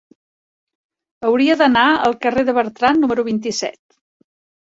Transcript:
Hauria d'anar al carrer de Bertran número vint-i-set.